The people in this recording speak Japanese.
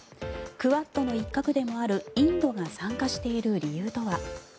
クアッドの一角でもあるインドが参加している理由とは。